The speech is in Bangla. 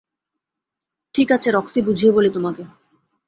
ঠিক আছে, রক্সি, বুঝিয়ে বলি তোমাকে।